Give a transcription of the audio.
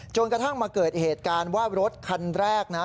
จนกระทั่งมาเกิดเหตุการณ์ว่ารถคันแรกนะ